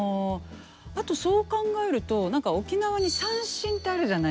あとそう考えると沖縄に三線ってあるじゃないですか。